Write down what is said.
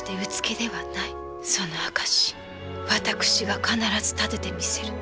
その証し私が必ず立ててみせる。